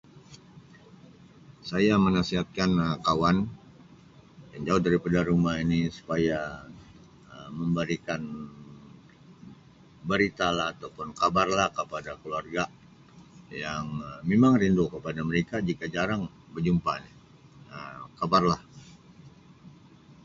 Saya menasihatkan Um kawan yang jauh daripada rumah ini supaya Um memberikan berita lah ataupun khabar lah kepada keluarga yang Um memang rindu kepada mereka jika jarang bejumpa ini Um khabar lah.